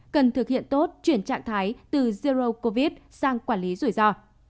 cần thực hiện tốt chuyển trạng thái từ zero covid sang quản lý rủi ro